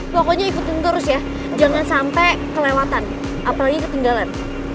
pokoknya ikutin terus ya jangan sampai kelewatan apalagi ketinggalan